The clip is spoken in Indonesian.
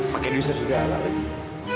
pakai deuser juga ala lagi